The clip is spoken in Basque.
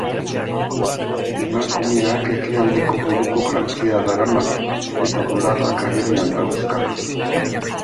Emakumeak ekialdeko buruko jantzia darama eta bularrak agerian dauzka.